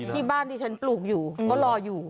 ที่บ้านที่ฉันปลูกอยู่ก็รออยู่